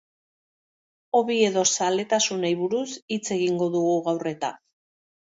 Hobby edo zaletasunei buruz hitz egingo dugu gaur eta.